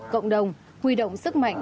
cộng đồng huy động sức mạnh